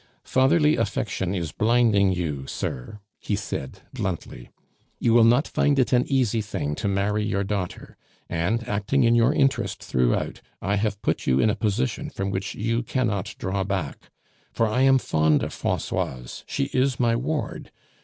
"Fatherly affection is blinding you, sir," he said bluntly. "You will not find it an easy thing to marry your daughter; and, acting in your interest throughout, I have put you in a position from which you cannot draw back; for I am fond of Francoise, she is my ward.